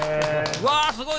うわすごい！